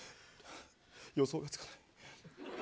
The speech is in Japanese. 予想がつかない。